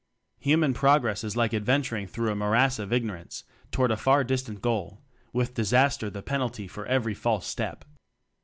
Human progress is like adventuring through a _ morass of ignorance toward a far distant goal; with disaster the penalty for every false step.